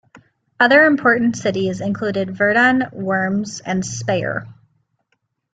Other important cities included Verdun, Worms and Speyer.